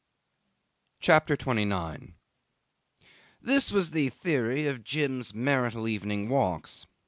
CHAPTER 29 'This was the theory of Jim's marital evening walks.